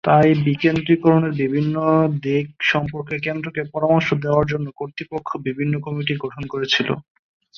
তাই, বিকেন্দ্রীকরণের বিভিন্ন দিক সম্পর্কে কেন্দ্রকে পরামর্শ দেওয়ার জন্য কর্তৃপক্ষ বিভিন্ন কমিটি গঠন করেছিল।